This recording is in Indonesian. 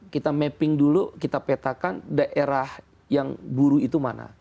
kita mapping dulu kita petakan daerah yang buru itu mana